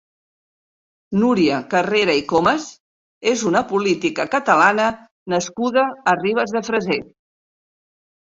Núria Carrera i Comes és una política cataana nascuda a Ribes de Freser.